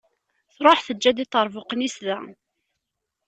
Truḥ teǧǧa-d iṭerbuqen-is da.